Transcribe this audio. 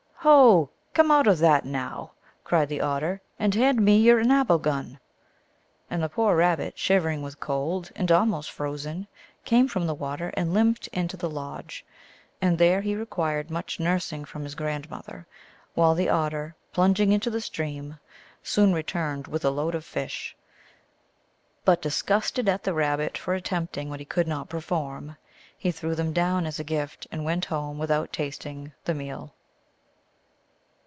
" Ho ! come out of that now," cried the Otter, "and hand me your ndbogun! " And the poor Rab bit, shivering with cold, and almost frozen, came from the water and limped into the lodge. And there he required much nursing from his grandmother, while the Otter, plunging into the stream, soon returned with a load of fish. But, disgusted at the Rabbit for attempting what he could not perform, he threw them down as a gift, and went home without tasting the meal.